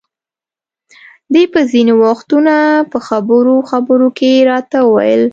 دې به ځینې وختونه په خبرو خبرو کې راته ویل.